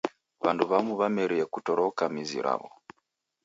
W'andu w'amu w'amerie kutoroka mizi raw'o.